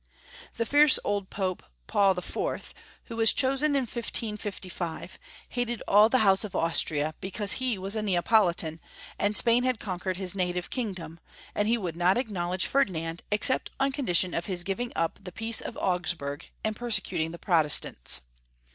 The fierce old Pope, Paul TV., who was chosen, in 1555, hated all the House of Austria, because he was a Neapolitan, and Spain had conquered his native kingdom, and he would not acknowledge Ferdinand except on condition of his giving up the peace of Augsburg and persecuting the Protestants.